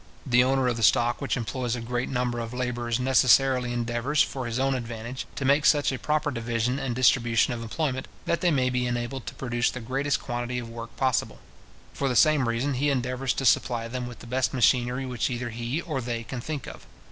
The owner of the stock which employs a great number of labourers necessarily endeavours, for his own advantage, to make such a proper division and distribution of employment, that they may be enabled to produce the greatest quantity of work possible. For the same reason, he endeavours to supply them with the best machinery which either he or they can think of.